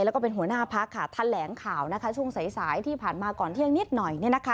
แล้วก็เป็นหัวหน้าพักค่ะแถลงข่าวช่วงสายที่ผ่านมาก่อนเที่ยงนิดหน่อย